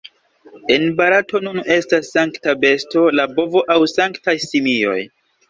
En Barato nun estas sankta besto la bovo aŭ sanktaj simioj.